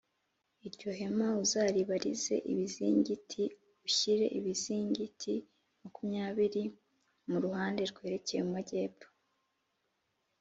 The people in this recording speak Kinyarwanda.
Iryo hema uzaribarize ibizingiti ushyire ibizingiti makumyabiri mu ruhande rwerekeye mumajyepfo